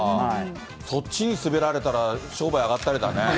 そっちに滑られたら、商売あがったりだね。